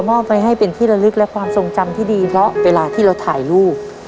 มอบไว้ให้เป็นที่ละลึกและความทรงจำที่ดีเพราะเวลาที่เราถ่ายรูป